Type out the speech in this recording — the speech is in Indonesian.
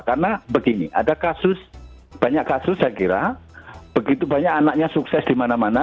karena begini ada kasus banyak kasus saya kira begitu banyak anaknya sukses di mana mana